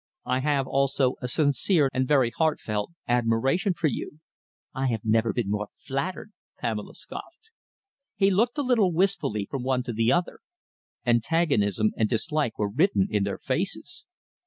I have also a sincere and very heartfelt admiration for you." "I have never been more flattered!" Pamela scoffed. He looked a little wistfully from one to the other. Antagonism and dislike were written in their faces.